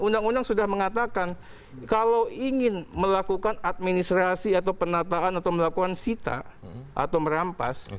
undang undang sudah mengatakan kalau ingin melakukan administrasi atau penataan atau melakukan sita atau merampas